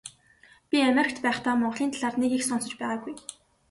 Би Америкт байхдаа Монголын талаар нэг их сонсож байгаагүй.